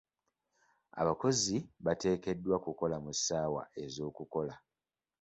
Abakozi bateekeddwa kukola mu ssaawa ez'okukola.